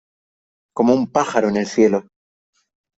Como un pájaro en el cielo